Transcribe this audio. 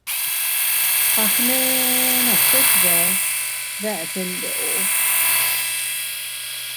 At agnenos tet bee deʼese ndeʼo.